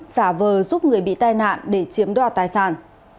xả vờ giúp người bị tai nạn để chiếm đoạt tài sản